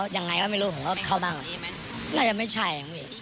ยังไงก็ไม่รู้ว่าก็เข้าบ้างมันยังไม่ใช่